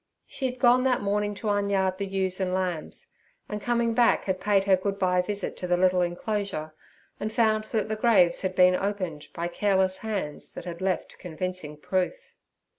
She had gone that morning to unyard the ewes and lambs, and coming back had paid her good bye visit to the little enclosure, and found that the graves had been opened by careless hands that had left convincing proof.